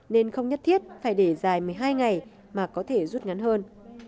nên không nhất thiết phải để dài một mươi hai ngày mà có thể rút ngắn hơn